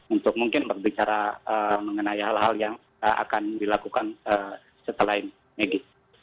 untuk mungkin berbicara mengenai hal hal yang akan dilakukan setelah ini megi